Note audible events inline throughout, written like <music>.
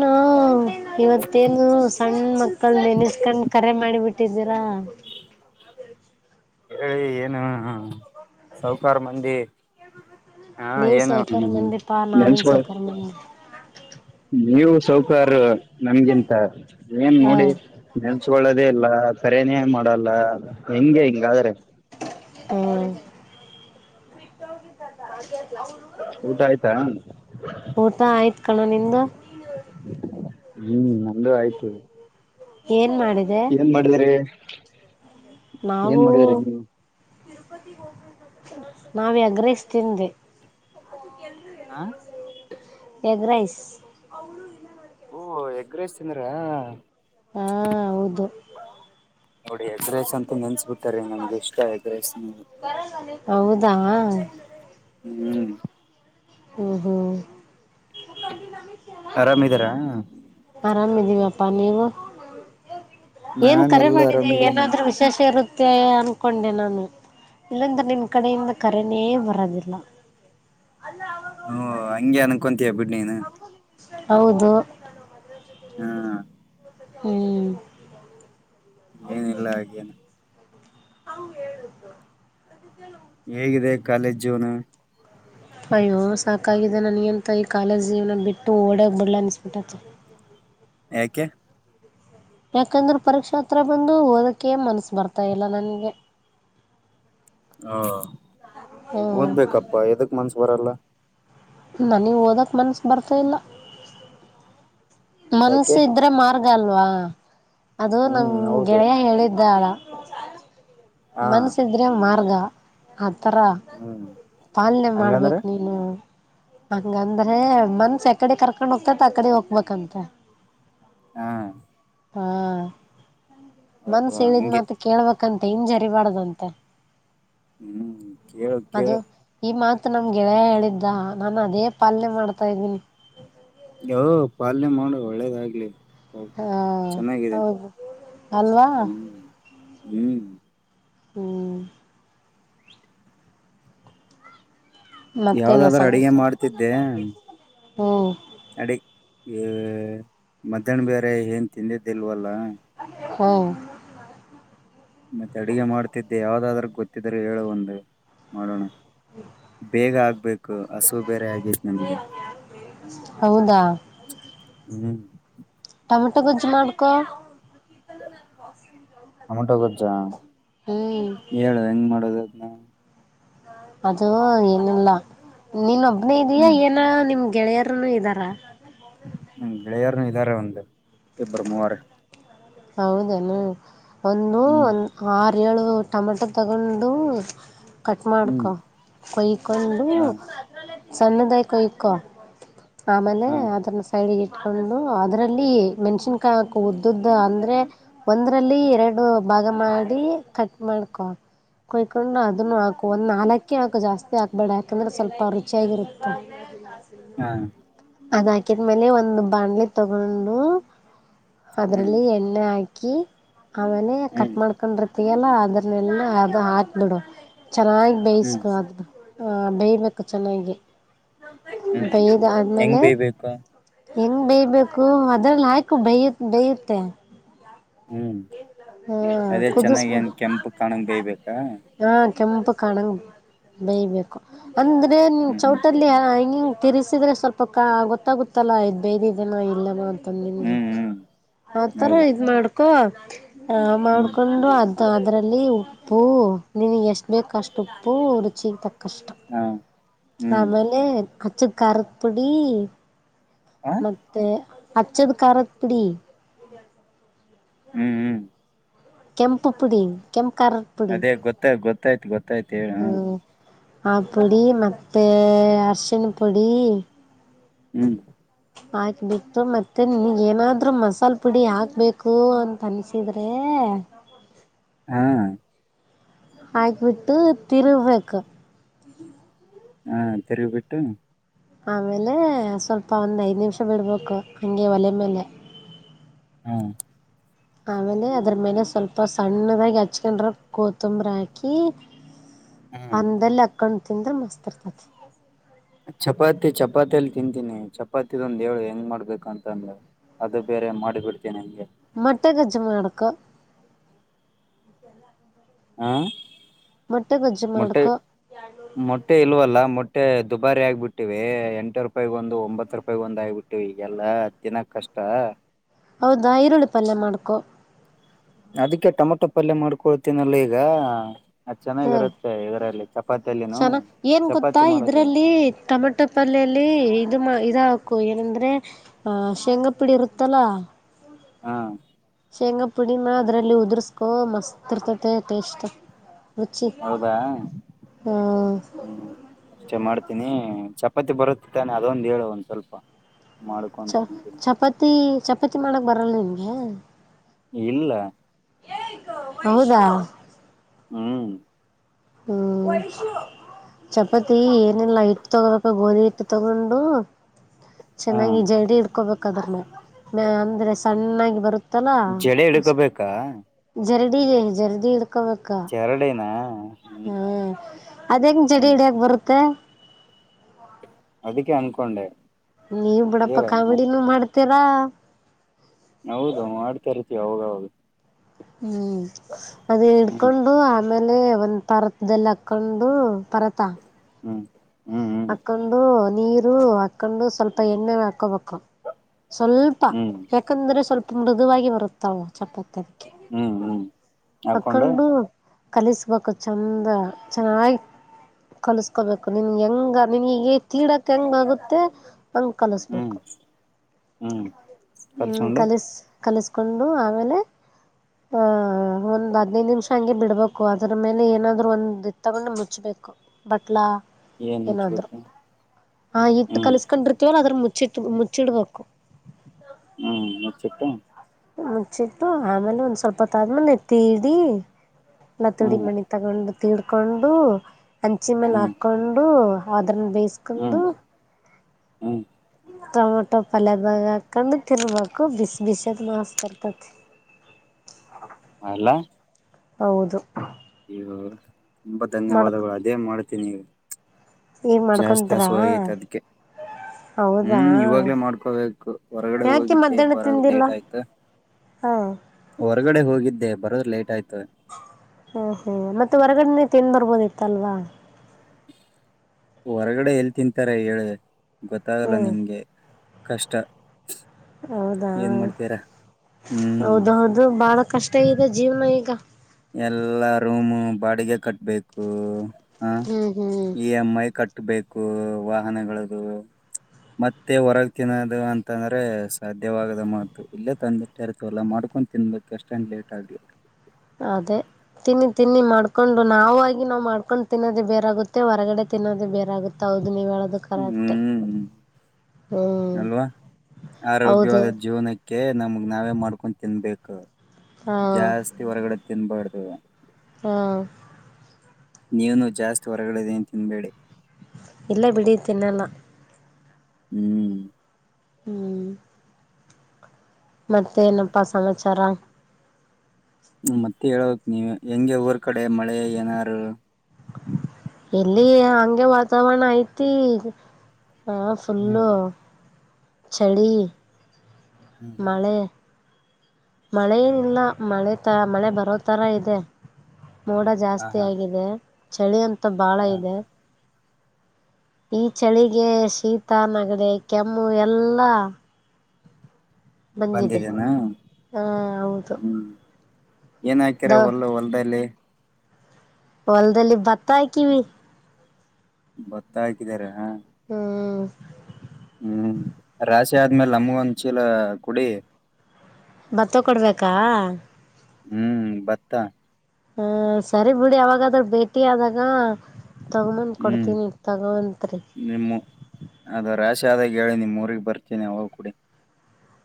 ನೂ ಇವತ್ತೇನು ಸಣ್ಣ ಮ ಕಳನ್ ನೆನೆಸ್ಕೊಂಡ್ ಕರೆ ಮಾಡಿಬಿಟ್ಟಿದ್ದೀರಾ. ಹೇಳಿ ಏನು ಸೌಕಾರ್ ಮಂದಿ. ಹಾ ನೀವು ಏನು ಸೌಕಾರ ಮಂದಿಪಾ ನಾವೇನ್ ನೆನ್ಸ್ಗೊಳ್ ಸೌಕಾರ ಮಂದಿ ನೀವು ಸೌಕಾರ್ ನನಗಿಂತ ಏನ್ ಹಾ ನೋಡಿ. ನೆನ್ಸ್ಗೊಳ್ಳದೇ ಇಲ್ಲ ಕರನೇ ಮಾಡಲ್ಲ ಹೆಂಗೆ ಹಿಂಗಾದ್ರೆ. ಹ್ಮ ಊಟ ಆಯ್ತಾ ಊಟ ಆಯ್ತ್ ಕಣೋ ನಿಂದು. ಹ್ಮ್ ನಮ್ದು ಆಯ್ತು. ಏನ್ ಮಾಡಿದೆ. ನ್ ಮಾಡಿದ್ರಿ. ಏನ್ ನಾವು. ಮಾಡಿದ್ರಿ ನೀವು ನಾವ ಎಗ್ ರೈಸ್ ತಿಂದೆ. ಹಾ ಎಗ್ ರೈಸ್ ಓಹ ಎಗ್ ರೈಸ್ ತಿಂದ್ರಾ. ಹಾ ಹೌದು ಎಗ್ರೈಸ್ ಅಂತ ನೆನ್ಸ್ಬಿಟ್ಟರೀ ನಮ್ಗ ಇಷ್ಟ ಎಗ್ರೈಸ್ ಹೌದಾ. ಹ್ಮ್ ಹ್ಮ ಹ್ಮ ಆರಾಮ ಇದಿರಾ. ಆರಾಮ ಇದೀವಪ್ಪಾ ನೀವು. ಏನ್ ನಾನ್ ಕರೆ ಎಲ್ಲ ಮಾಡಿದೆ ಆರಾಮಿದೀನಿ ನೋಡು ಏನಾದ್ರೂ ವಿಶೇಷ ಇರುತ್ ಮೆ ಅನ್ಕೊಂಡೆ ನಾನು ಇಲ್ಲಂದ ನಿನ್ ಕಡೆಯಿಂದ ಕರೆನೇ ಬರೋದಿಲ್ಲ ಅಲ್ಲ ಹ್ಮ್ ಹಂಗೆ ಅನ್ಕೊಂತೀಯ ಬಿಡ್ ನೀನು. ಹೌದು ಹಾ ಹ್ಮ್ ಏನಿಲ್ಲ ಹಾಗೇನು. ಹ ಹೇಳುದ್ನು ಅದ ಕೆಲ ಹೇಗಿದೆ ಕಾಲೇಜು ಜೀವನ ಅಯ್ಯೋ ಸಾಕಾಗಿದೆ ನನ್ ಏಂತ ಕಾಲೇಜ್ ಜೀವನ ಬಿಟ್ಟು ಓಡೋಗ್ ಬಿಡಲ ಅನಿಸ್ಬಿಟ್ಟೈ. ಯಾಕೆ ಯಾಕಂದ್ರೆ ಪರೀಕ್ಷಾ ಹತ್ರಾ ಬಂದು ಓದಕ್ಕೆ ಮನಸ್ಸು ಬರ್ತಾ ಇಲ್ಲ ನನಗೆ. ಹಾ ಹ್ಮ್ ಓದ್ಬೇಕಪ್ಪಾ ಎದಕ್ ಮನಸ್ಸು ಬರಲ್ಲ ನನಿಗ್ ಓದಕ್ ಮನಸ್ಸು ಬರ್ತಾ ಇಲ್ಲ ಯಾಕೆ ಮನಸ್ಸು ಇದ್ರೆ ಮಾರ್ಗ ಅಲ್ವಾ ಅದು ನಮ್ ಹ್ಮ್ ಹೌದು ಗೆಳೆಯ ಹೇಳಿದ್ದಾಳ ಹಾ ಮನಸ್ಸು ಇದ್ರೆ ಮಾರ್ಗ ಆತರ ಹ್ಮ್ ಪಾಲನೆ ಹಂಗಂದ್ರೆ ಮಾಡ್ಬೇಕು ನೀನು ಹಂಗಂದ್ರೆ ಮನಸ್ಸು ಯಾಕಡೆ ಕರ್ಕೊಂಡು ಹೋಗ್ತೇತ್ ಆಕಡೆ ಹೋಗ್ಬೇಕಂತೆ ಹಾ ಹಾ ಓಹೋ ಮನಸ್ಸು ಹೇಳಿದ್ ಹಂಗೆ ಮಾತ್ ಕೇಳ್ಬೇಕಂತ ಇಂಜರ್ ಜರಿಬರದಂತೆ ಹ್ಮ್ ಕೇಳು ಅದು ಕೇಳು ಈ ಮಾತ್ ನಮ್ ಗೆಳೆಯ ಹೇಳಿದ್ದ ನಾನು ಅದೇ ಪಾಲನೆ ಮಾಡ್ತಾ ಇದ್ದೀನಿ. ಯೋ ಪಾಲನೆ ಮಾಡು ಒಳ್ಳೇದಾಗ್ಲಿ. ಓ ಹಾ ಚೆನ್ನಾಗಿದೆ ಹೌದು ಅಲ್ವಾ. ಹ್ಮ್ ಹ್ಮ್ ಹ್ಮ್ ಮತ್ತೇನ ಯಾವ್ದಾದ್ರೂ ಅಡಿಗೆ ಸಮಾಚಾರ ಹ್ಮ್ ತಡಿ ಏ ಮಧ್ಯಾಹ್ನ ಬೇರೆ ಏನ್ ತಿಂದ್ದಿಲ್ವಾಲ್ಲ. ಹ್ಮ ಮತ್ತೆ ಅಡಗೆ ಮಾಡ್ತಿದ್ದೆ ಯಾವ್ದಾದ್ರೂ ಗೊತ್ತಿದ್ದಾರೆ ಹೇಳು ಒಂದು ಮಾಡೋಣ. ಬೇಗ ಆಗ್ಬೇಕು. ಕು ಹಸು ಬೇರೆ ಆಗಿತ್ ನನಗೆ ಹೌದಾ ಹ್ಮ್ ಟೊಮಟೊ ಗೊಜ್ಜು ಮಾಡ್ಕೊ. ಟಮಟೊ ಗೋಜಾ ಹ್ಮ್ ಹೇಳು ಹೆಂಗ್ ಮಾಡೋದು ಅದ್ನ ಅದು ಏನಿಲ್ಲ ನೀನೊಬ್ನೇ ಇದಿಯಾ ಹ್ಮ್ ಏನಾ ನಿಮ್ ಗೆಳೆಯರನು ಇದ್ದಾರ. ನಮ್ ಗೆಳೆಯರನು ಇದ್ದಾರೆ ಒಂದ್ ಇಬ್ಬರು ಮೂವರ್ ಹೌದೇನು ಒಂದು ಹ್ಮ್ ಒಂದು ಆರು ಏಳು ಟೊಮೆಟೊ ತಗೊಂಡು ಕಟ್ ಹ್ಮ್ ಮಾಡ್ಕೊ ಕೊಯ್ಕೊಂಡು ಹಾ ಸಣ್ಣದಾಗಿ ಕೊಯ್ಕೊ ಆಮೇಲೆ ಹಾ ಅದನ್ನ ಸೈಡ್ಗೆ ಇಟ್ಕೊಂಡು ಅದರಲ್ಲಿ ಮೆಣಿಸನಕಾಯಿ ಹಾಕೊ ಉದ್ದುದ್ದ್ ಅಂದ್ರೆ ಒಂದ್ರಲ್ಲಿ ಎರಡು ಭಾಗ ಮಾಡಿ ಕಟ್ ಮಾಡ್ಕೊ ಕೊಯಕೊಂಡು ಅದನ್ನು ಹಾಕು ಒಂದು ನಾಲ್ಕೇ ಹಾಕು ಜಾಸ್ತಿ ಹಾಕ್ಬೇಡ ಯಾಕಂದ್ರೆ ಸ್ವಲ್ಪ ರುಚಿಯಾಗಿರುತ್ತೆ. ಹಾ ಅದ್ ಹಾಕಿದ್ಮೇಲೆ ಒಂದು ಬಾಂಡ್ಲಿ ತಗೊಂಡು ಹ್ಮ್ ಅದ್ರಲ್ಲಿ ಎಣ್ಣೆ ಹಾಕಿ ಆಮೇಲೆ ಕಟ್ ಹ್ಮ್ ಮಾಡ್ಕೊಂಡ್ರ್ ಏನೋ ಆಗಿರಲಿಲ್ಲ ಆಯ್ತು ಬಿಡು ಚೆನ್ನಾಗಿ ಹ್ಮ್ ಬೇಯಸ್ಕು ಅದ ಹ ಬೇಯಬೇಕು ಚೆನ್ನಾಗಿ ಹ್ಮ್ ಬೇಯ್ದ ಹೆಂಗ್ ಆದ್ಮೇಲೆ ಬೇಯ್ಬೇಕು ಹೆಂಗ್ ಬೇಯಬೇಕು ಅದ್ರಲ್ಲಿ ಹಾಯ್ಕು ಬೇಯ್ಯತ್ ಬೇಯುತ್ತೆ ಹ್ಮ್ ಹಾಂ ಅದೇ ಚೆನ್ನಾಗಿ ಏನ್ ಕೆಂಪ ಕಾಣಂಗ ಬೇಯಬೇಕಾ ಹಾಂ ಕೆಂಪು ಕಾಣಂಗ ಬೇಯಬೇಕು ಅಂದರೆ ನೀ ಹ್ಮ್ ಹ್ಮ್ ಚೌಟಲ್ಲಿ ಹಂಗಿಂಗೆ ತಿರಿಸಿದ್ರೆ ಸ್ವಲ್ಪ ಕ ಗೊತ್ತಾಗುತ್ತಲ್ಲ್ ಬೇದಿದನೋ ಇಲ್ಲನೋ ನಿಮ್ಗೆ ಹ್ಮ್ ಹ್ಮ್ ಆತರಾ ಹೌದು ಇದ ಮಾಡ್ಕೊ ಹ್ಮ್ ಮಾಡ್ಕೊಂಡು ಅದ ಮತ್ತು ಅದರಲ್ಲಿ ಉಪ್ಪು ನಿನಗೆ ಎಷ್ಟು ಬೇಕುಷ್ಟು ಉಪ್ಪು ರುಚಿಗೆ ತಕ್ಕಷ್ಟ ಹಾ ಹ್ಮ್ ಆಮೇಲೆ ಅಚ್ಚ ಖಾರದ ಪುಡಿ ಆ ಮತ್ತೆ ಅಚ್ಚದ ಕಾರದ ಪುಡಿ ಹ್ಞೂ ಹ್ಞ ಕೆಂಪು ಪುಡಿ ಕೆಂಪು ಕಾರ್ ಅದೇ ಗೊ ಗೊತ್ತಾಯ್ತತ್ ಗೊತ್ತಾಯ್ತು ಹೇಳ ಹ ಹ್ಮ್ ಆ ಪುಡಿ ಮತ್ತು ಅರಶಿನ ಪುಡಿ ಹ್ಮಞ ಹಾಕಿಬಿಟ್ಟು ಮತ್ತೆ ನಿನಗೇನಾದರೂ ಮಸಾಲೆ ಪುಡಿ ಹಾಕಬೇಕು ಅಂತ ಅನ್ಸಿದ್ರೆ ಹಾ ಹಾಕಿಬಿಟ್ಟು ತಿರುಗಬೇಕು ಹಾ ತಿರಿಗಿ ಬಿಟ್ಟು ಆಮೇಲೆ ಸ್ವಲ್ಪ ಒಂದ್ ಐದ್ ನಿಮಿಷ ಬಿಡ್ಬೇಕು ಹಂಗೆ ಒಲೆ ಮೇಲೆ ಹ್ಮ ಆಮೇಲೆ ಅದ್ರ ಮೇಲೆ ಸ್ವಲ್ಪ ಸಣ್ಣದಾಗಿ ಹಚ್ಕೊಂಡ್ರ ಕೊತ್ತಂಬ್ರ ಹಾಕಿ <inaudible> ಅನ್ನದಲ್ಲಿ ಅಕೊಂಡು ತಿಂದ್ರ ಮಸ್ತ್ ಇರ್ತತಿ ಚಪಾತಿ ಚಪಾತಿಯಲ್ಲಿ ತಿಂತೀನಿ ಚಪಾತಿದೊಂದು ಹೇಳು ಹೆಂಗ್ ಮಾಡ್ಬೇಕ ಅಂತ ಅಂದ್ರೆ ಅದು ಬೇರೆ ಮಾಡಿ ಬಿಡ್ತೀನಿ ಹಂಗೆ ಮೊಟ್ಟೆ ಗಜ್ಜು ಮಾಡಕ ಹಾ ಮೊಟ್ಟೆ ಗೊಜ್ಜು ಮಾಡ್ಕೊ ಮೊಟ್ಟೆ ಇಲ್ವಲ್ಲ ಮೊಟ್ಟೆ ದುಬಾರಿ ಆಗ್ ಬಿಟ್ಟಿವೇ ಎಂಟ ರೂಪಾಯಗ ಒಂದು ಒಂಬತ್ತು ರೂಪಾಯಗ ಒಂದು ಆಗಿಬಿಟ್ಟಿವ ಇವಾಗ ಈಗೆಲ್ಲಾ ತಿನ್ನೋದು ಕಷ್ಟ ಹೌದಾ ಈರುಳ್ಳಿ ಪಲ್ಯ ಮಾಡ್ಕೊ ಅದಕ್ಕೆ ಟೊಮೊಟೊ ಪಲ್ಯ ಮಾಡ್ಕೊಳ್ತೀನಲ್ಲ ಈಗ ಅ ಹ್ಞೂ ಚೆನ್ನಾಗಿರುತ್ತೆ ಇದರಲ್ಲಿ ಚಪಾತಿ ಅಲ್ಲಿನೂ ಚೆನ್ನ ಏನ್ ಗೊತ್ತಾ ಚಪಾತಿ ಮಾಡೋದ ಇದ್ರಲ್ಲಿ ಟೊಮೆಟೊ ಪಲ್ಯಲ್ಲಿ ಇದು ಮಾ ಇದು ಹಾಕು ಏನಂದ್ರೆ ಆ ಶೇಂಗ ಪಿಡಿ ಇರುತ್ತಲ್ಲಾ ಹಾ ತೆಂಗಾ ಪುಡಿನ ಅದರಲ್ಲಿ ಉದುರ್ಸ್ಕೊ ಮಸ್ತ್ ಇರ್ತತೆ ಟೇಸ್ಟ್ ರುಚಿ ಹೌದಾ ಹ್ಮ ಅಷ್ಟೆ ಮಾಡ್ತೀನಿ ಚಪಾತಿ ಬರುತ್ತ ತಾನೆ ಅದೊಂದು ಹೇಳುವ ಒಂದ್ ಸ್ವಲ್ಪ ಮಾಡ್ಕೊಂಡ್ ಚ ತಿಂತೀನಿ ಚಪಾತಿ ಚಪಾತಿ ಮಾಡಕ್ ಬರಲ್ಲ ನಿಮ್ಗೆ ಇಲ್ಲ ಹೌದಾ ಹ್ಮ್ ಹ್ಮ್ ಚಪಾತಿ ಏನಿಲ್ಲಾ ಹಿಟ್ಟು ತಗೋಬೇಕ ಗೋಧಿ ಹಿಟ್ಟು ತಗೊಂಡು ಹಾ ಚೆನ್ನಾಗಿ ಜರ್ಡಿ ಇಡ್ಕೋಬೇಕ ಅದನ್ನ ಅಂದ್ರೆ ಸಣ್ಣಾಗಿ ಬರುತ್ತ ಜಡೆ ತ್ತಲ ಹಿಡ್ಕೋಬೇಕಾ ಜರ್ಡಿ ಜರ್ಡಿಿ ಇಡ್ಕೋಬೇಕ ಜರ್ಡಿ ನಾ ಹ್ಮ್ ಅದೆಂಗ್ ಜರ್ಡಿ ಹಿಡಿಯಾಗ ಬರುತ್ತೆ ಅದಿಕ್ಕೆ ಅನ್ಕೊಂಡೆ ನೀವ್ ಬಿಡಪ್ಪ ಹೇಳ ಮತ್ ಕಾಮಿಡಿನೂ ಮಾಡ್ತೀರಾ ಹೌದು ಮಾಡ್ತಾ ಇರ್ತಿವಿ ಅವಾಗವಾಗ ಹ್ಮ್ ಅದ ಹ್ಮ್ ಇಡ್ಕೊಂಡು ಆಮೇಲೆ ಒಂದ್ ಪರ್ತದಲ್ಲಿ ಹಾಕ್ಕೊಂಡು ಪರ್ತ ಹ್ಮ ಹಾಕ್ಕೊಂಡು ನೀರು ಹಾಕ್ಕೊಂಡು ಸ್ವಲ್ಪ ಎಣ್ಣೆ ಹಾಕೋಬೇಕು ಸ್ವಲ್ಪ ಹ್ಮ್ ತುಪ್ಪಾ ಯಾಕಂದ್ರೆ ಸ್ವಲ್ಪ ಮೃದುವಾಗಿ ಬರುತ್ತಾವ ಚಪಾತಿ ಅದಕ್ಕೆ ಹ್ಮ್ ಹ್ಮ್ ಹಾಕೊಂಡು ಹಕ್ಕೊಂಡು ಕಲಿಸಬೇಕು ಚಂದ ಚನ್ನಾಗಿ ಕಲಸ್ಕೋಬೇಕು ನಿನ್ ಹೆಂಗ ನಿನಿಗ್ ತೀಡಕ್ ಹೆಂಗ ಆಗುತ್ತೆ ಹಂಗ್ ಹ್ಮ್ ಕಲಸ್ಬೇಕು ಹ್ಮ್ ಹ್ಮ್ ಕಲ್ಸ್ಕೊಂಡು ಕಲಿಸ ಕಲಿಸ್ಕೊಂಡು ಆಮೇಲೆ ಹ ಒಂದ್ ಹದ್ನೈದು ನಿಮಿಷ ಹಂಗೆ ಬಿಡ್ಬೇಕು ಅದ್ರ ಮೇಲೆ ಏನಾದ್ರು ಒಂದ ತಗೊಂಡು ಮುಚ್ಬೇಕು ಬಟ್ಲಾ ಏನ್ ಏನಾದ್ರು ಮುಚ್ಬೇಕು ಆ ಹಿಟ್ ಹ್ಮ್ ಕಲ್ಸ್ಕೊಂಡಿರ್ತವಲ್ಲ ಅದ್ರ ಮುಚ್ಚ ಮುಚ್ಚಿಟ್ಟ ಮುಚ್ಚಿಡ್ಬೇಕು ಹ್ಮ್ ಮುಚ್ಚಿಟ್ಟು ಮುಚ್ಚಿಟ್ಟು ಆಮೇಲೆ ಒಂದ್ ಸ್ವಲ್ಪತ್ತ ಆದ್ಮೇಲೆ ತೀಡಿ ಎಲ್ಲ ತಿುಳಿ ಹ್ಮ್ ಮಣಿ ತಗೊಂಡು ತಿೀಡ್ಕೊಂಡು ಅಂಚಿ ಮೇಲೆ ಹ್ಮ್ ಹಾಕೊಂಡು ಕೊಂಡು ಅದ್ರನ್ನು ಬೇಯಿಸಕೊಂಡು ಹ್ಮ್ ಹ್ಮ್ ಟೊಮೊಟೊ ಪಲ್ಯದಾಗ್ ಹಾಕೊಂಡು ತಿನ್ಬೇಕು ಬಿಸ್ ಬಿಸದ್ ಮಾಸ್ತಾ ಇರ್ತತಿ ಅಲ್ಲ ಹೌದು ಅಯ್ಯೋ ತುಂಬಾ ಮಾಡ್ ಧನ್ಯವಾದಗಳು ಅದೇ ಮಾಡ್ತೀನಿ ಈಗ ಈಗ ಜಾಸ್ತಿ ಮಾಡ್ಕೊಂತರ ಹಸುವಾಗೈತೆ ಅದಕ್ಕೆ ಹೌದಾ ಹ್ಮ್ ಇವಾಗ್ಲೇ ಮಾಡ್ಕೋಬೇಕು ಹೊರಗಡೆ ಯಾಕೆ ಹೋಗಿದ್ದೆ ಮಧ್ಯಾಹ್ನ ಬರೋದು ತಿಂದಿಲ್ಲ ಲೇಟ್ ಆಯ್ತು ಹಾಂ ಹೊರಗಡೆ ಹೋಗಿದ್ದೆ ಬರೋದ್ ಲೇಟ್ ಆಯ್ತು ಹಾ ಹ್ಮ್ ಮತ್ತೆ ಹೊರಗಡೆನೆ ತಿನ್ ಬರ್ಬೋದ್ ಇತ್ ಅಲ್ವಾ ಹೊರಗಡೆ ಎಲ್ಲಿ ತಿಂತಾರೆ ಹೇಳ್ದೆ ಹ್ಞೂ ಗೊತ್ತಾಗಲ್ಲ ನಿಮ್ಗೆ ಕಷ್ಟ ಹೌದಾ ಏನ್ ಮಾಡ್ತೀರಾ ಹ್ಮ್ ಹೌದ ಹೌದು ಬಾಳ ಕಷ್ಟ ಇದೆ ಜೀವನ ಈಗ ಎಲ್ಲಾ ರೂಮು ಬಾಡಿಗೆ ಕಟ್ಬೇಕು ಹ ಹ್ಞೂ ಹ್ಞೂ ಇ. ಎಂ. ಐ ಕಟ್ಟಬೇಕು ವಾಹನಗಳ್ದ ಮತ್ತೆ ಹೊರಗೆ ತಿನ್ನೋದು ಅಂತಂದ್ರೆ ಸಾಧ್ಯವಾಗದ ಮಾತು ಇಲ್ಲೇ ತಂದಿಟ್ಟ ಇರ್ತವಲ್ಲ ಮಾಡ್ಕೊಂಡು ತಿನ್ಬೇಕ್ ಅಷ್ಟೇ ಲೇಟ್ ಆಗಲಿ ಅದೆೇ ತಿನ್ನಿ ತಿನ್ನಿ ಮಾಡ್ಕೊಂಡು ನಾವುಾ ಅಗಿ ನಾವ್ ಮಾಡ್ಕೊಂಡು ತಿನ್ನೋದೇ ಬೇರೆಾಗುತ್ತೆ ಹೊರಗಡೆ ತಿನ್ನೋದೇ ಬೇರೆಾಗುತ್ತೆ ಹೌದು ನೀವು ಹೇಳೋದು ಕರೆಕ್ಟೆ ಹ್ಮ್ ಹ್ಞೂ ಅಲ್ವಾ ಹೌದು ಆರೋಗ್ಯವಾದ ಜೀವನ ಕೇ ನಮಗ್ ನಾವೇ ಮಾಡ್ಕೊಂಡ್ ತಿನ್ಬೇಕ ಹಾಂ ಜಾಸ್ತಿ ಹೊರಗಡೆ ತಿನ್ಬಾರ್ದು. ಹಾ ನೀವುನು ಜಾಸ್ತಿ ಹೊರಗಡೆದೆೇನ್ ತಿನ್ಬೇಡಿ. ಇಲ್ಲ ಬಿಡಿ ತಿನ್ನಲ್ಲ. ಹ್ಮ್ ಹ್ಮ್ ಮತ್ತೆ ಏನಪ್ಪಾ ಸಮಾಚಾರ. ಮತ್ತೆ ಹೇಳಬೇಕ್ ನೀವೆ ಹೆಂಗೆ ಊರ್ ಕಡೆ ಮಳೆ ಏನಾರು. ಇಲ್ಲಿ ಹಂಗೆ ವಾತಾವರಣ ಐತಿ. ಹಾ ಹ್ಮ್ ಫುಲ್ಲು ಚಳಿ. ಹ್ಮ್ ಮಳೆ. ಮಳೆ ಹ್ಮ್ ಏನಿಲ್ಲ ಮಳೆ ತ ಮಳೆ ಬರೋ ಥರ ಇದೆ. ಮೋಡ ಹ ಜಾಸ್ತಿ ಹಾ ಆಗಿದೆ ಚಳಿ ಅಂತು ಬಾಳ ಹ ಇದೆ. ಈ ಚಳಿಗೆ ಶೀತ ನೆಗಡೆ ಕೆಮ್ಮು ಎಲ್ಲಾ. ಬಂದಿದೆನಾ ಹಾ ಹೌದು ಹ್ಮ್. ಏನ ದ ಹಾಕ್ಯರ ಹೊಲ್ ಹೊಲ್ದಲ್ಲಿ. ಹೊಲದಲ್ಲಿ ಭತ್ತ ಹಾಕಿವಿ. ಬತ್ತಾ ಹಾಕಿದಿದ್ದಾರೆ ಹಾ. ಹ್ಮ್ ಹುಂ ರಾಶಿ ಆದ್ಮೇಲೆ ನಮಗ ಒಂದ್ ಚೀಲ ಕೊಡಿ. ಬತ್ತ ಕೊಡ್ಬೇಕಾ. ಹುಂ ಬತ್ತಾ. ಹಂ ಸರಿ ಬಿಡಿ ಯಾವಾಗಾದ್ರ ಭೇಟಿ ಆದಾಗ. ತಗೊಬಂದ ಹ್ಮ್ ಕೊಡ್ತೀನಿ ತಗೋವಂತ್ರಿ. ನಿಮ್ಮ ಅದು ರಾಶಿ ಆದಾಗ ಹೇಳಿ ನಿಮ್ಮ ಊರಿಗೆ ಬರ್ತೀನಿ ಅವಾಗ ಕೊಡಿ.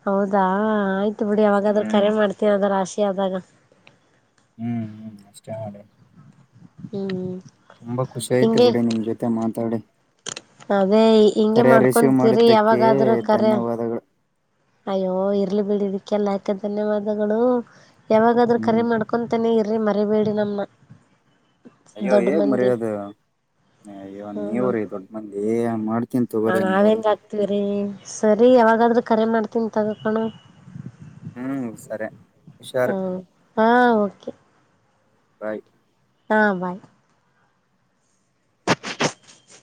ಹೌದಾ ಆಯ್ತು ಬಿಡಿ ಯಾವಾಗಾದ್ರ ಹ್ಮ್ ಕರೆ ಮಾಡ್ತೀವಿ ಅದರ ರಾಶಿ ಆದಾಗ. ಹ್ಮ್ ಹ್ಮ್ ಅಷ್ಟೇ ಮಾಡಿ. ಹ್ಮ್ ಹ್ಮ್ ತುಂಬಾ ಖುಷಿ ಆಯಿತು ಬಿಡಿ ನಿಮ್ ಜೊತೆ ಮಾತಾಡಿ. ಅದೇ ಹಿಂಗೆ ಕರೆ ರಿಸೀವ್ ಮಾಡ್ಕೊಂತೀರಿ ಮಾಡಿದ್ದಕ್ಕೆ ಯಾವಾಗಾದ್ರೂ ಕರೆ ಧನ್ಯವಾದಗಳು. ಅಯ್ಯೋ ಇರ್ಲಿ ಬಿಡಿ ಇದಕ್ಕೆಲ್ಲಾಕೆ ಧನ್ಯವಾದಗಳು ಯಾವಾಗಾದ್ರೂ ಕರೆ ಹ್ಮ್ ಮಾಡ್ಕ ಕುಂತಾನೇ ಇರ್ರಿ ಮರಿಬೇಡಿ ನಮ್ಮನ್ನ. ಅಯ್ಯೋ ದೊಡ್ಡ ಏನ ಮಂದಿ ಮರೆಯದ. ಅಯ್ಯೋ ನೀವ ಹ್ಮ್ ರೀ ದೊಡ್ಡ ಮಂದಿ ಏ ಮಾಡ್ತೀನ್ ತೊಗೋರಿ ಹಂಗಾರ. ಸರಿ ಸರಿ ಯಾವಾಗಾದ್ರೂ ಕರೆ ಮಾಡ್ತೀನಿ ತಗೋಕಣೊ. ಹ್ಮ್ ಸರಿ ಹುಷಾರ್. ಹಾ ಹಾಂ ಓಕೆ. ಬಾಯ್. ಹಾ ಬಾಯ್.